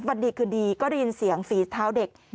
วันดีคืนดีก็ได้ยินเสียงฝีเท้าเด็ก